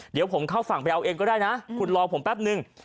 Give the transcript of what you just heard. เดี๋ยวผมเข้าฝั่งไปเอาเองก็ได้นะคุณรอผมแป๊บนึง